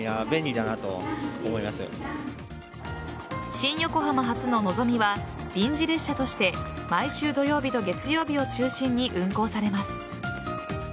新横浜発ののぞみは臨時列車として毎週土曜日と月曜日を中心に運行されます。